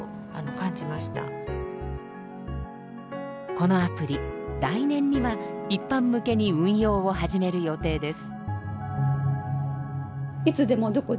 このアプリ来年には一般向けに運用を始める予定です。